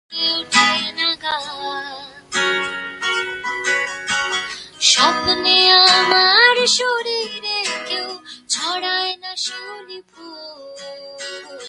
Pygmy hippos consort for mating, but the duration of the relationship is unknown.